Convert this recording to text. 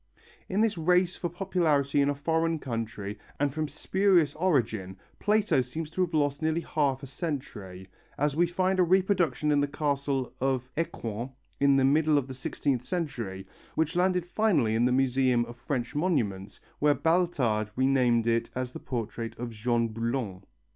In this race for popularity in a foreign country and from a spurious origin, Plato seems to have lost nearly half a century, as we find a reproduction in the castle of Ecouen about the middle of the sixteenth century, which landed finally in the Museum of French Monuments, where Baltard renamed it as the portrait of Jean Bullant.